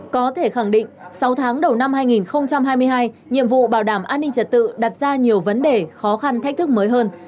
có thể khẳng định sau tháng đầu năm hai nghìn hai mươi hai nhiệm vụ bảo đảm an ninh trật tự đặt ra nhiều vấn đề khó khăn thách thức mới hơn